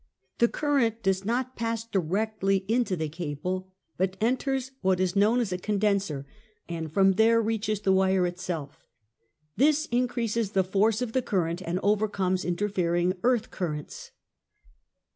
The current does not pass directly into the cable, but enters what is known as a condenser, and from there reaches the wire itself. This increases the force of the current and overcomes interfering earth currents.